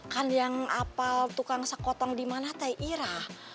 kan yang apal tukang sakoteng dimana teh ira